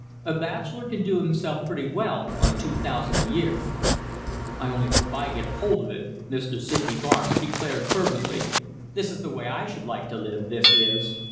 A bachelor can do himself pretty well on two thousand a year." "I only hope I get hold of it," Mr. Sydney Barnes declared fervently. "This is the way I should like to live, this is."